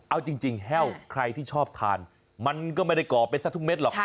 เอาจริงแห้วใครที่ชอบทานมันก็ไม่ได้ก่อไปสักทุกเม็ดหรอก